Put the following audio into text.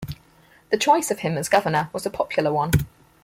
The choice of him as governor was a popular one.